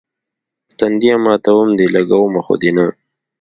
تنديه ماتوم دي، لګومه خو دې نه.